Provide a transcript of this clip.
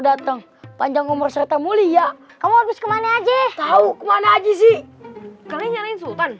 datang panjang umur serta mulia kamu habis ke mana aja tau mana aja sih kalian sultan